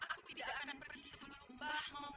aku tidak akan pergi sebelum mbah mau pergi